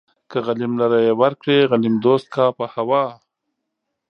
که غليم لره يې ورکړې غليم دوست کا په هوا